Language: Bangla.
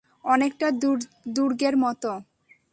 অনেকটা দুর্গের মতো।